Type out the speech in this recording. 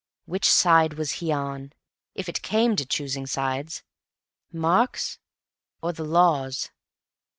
Which side was he on, if it came to choosing sides—Mark's or the Law's?